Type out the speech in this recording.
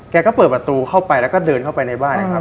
แกก็เปิดประตูเข้าไปแล้วก็เดินเข้าไปในบ้านนะครับ